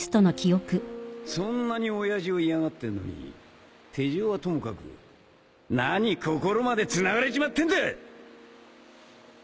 そんなに親父を嫌がってんのに手錠はともかく何心までつながれちまってんだ！？